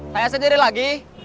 saya sendiri lagi